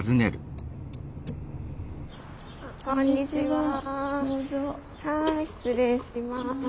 はい失礼します。